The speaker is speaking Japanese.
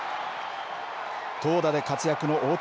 投打で活躍の大谷。